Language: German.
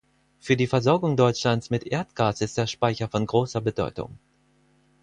Für die Versorgung Deutschlands mit Erdgas ist der Speicher von großer Bedeutung.